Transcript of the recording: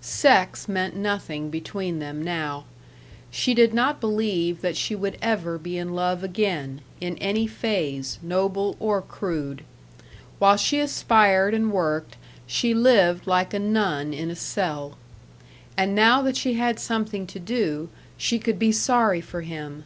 Sex meant nothing between them now. She did not believe that she would ever be in love again, in any phase, noble or crude. While she aspired and worked she lived like a nun in a cell. And now that she had something to do, she could be sorry for him.